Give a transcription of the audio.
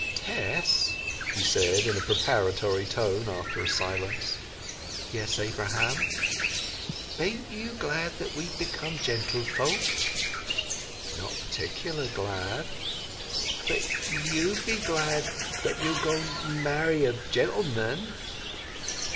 "Tess!" he said in a preparatory tone, after a silence. "Yes, Abraham." "Bain't you glad that we've become gentlefolk?" "Not particular glad." "But you be glad that you 'm going to marry a gentleman?"